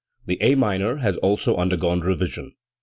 The A minor has also undergone revision.